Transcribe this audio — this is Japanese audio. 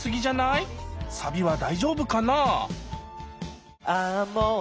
サビは大丈夫かな？